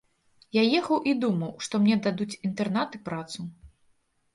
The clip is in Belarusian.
Я ехаў і думаў, што мне дадуць інтэрнат і працу.